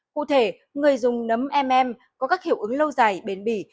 cụ thể người dùng nấm m có các hiệu ứng lâu dài bền bỉ